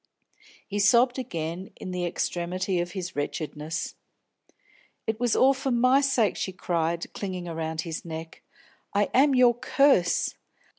He sobbed again in the extremity of his wretchedness. "It was all for my sake!" she cried, clinging around his neck. "I am your curse.